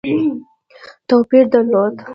توپیر درلود.